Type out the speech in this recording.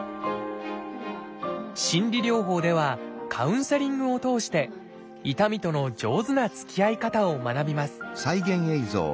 心理療法ではカウンセリングを通して痛みとの上手なつきあい方を学びます